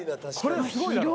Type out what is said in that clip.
これすごいだろ？